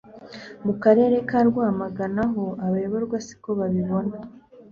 mu karere ka Rwamagana ho abayoborwa siko babibona